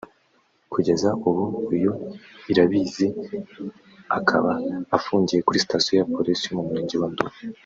Kugeza ubu uyu Irabizi i akaba afungiye kuri Sitasiyo ya Polisi yo mu Murenge wa Nduba